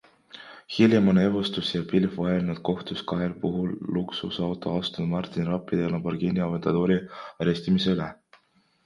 Hiljem on Evestus ja Pilv vaielnud kohtus kahel puhul luksusauto Aston Martin Rapide ja Lamborghini Aventadori arestimise üle.